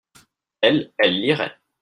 elles, elles liraient.